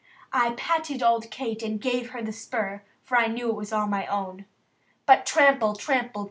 I patted old Kate, and gave her the spur, For I knew it was all my own. But trample! trample!